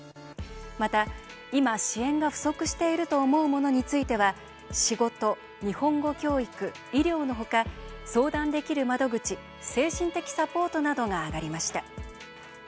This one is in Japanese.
また今「支援が不足していると思うもの」については仕事日本語教育医療のほか相談できる窓口精神的サポートなどが挙がりました。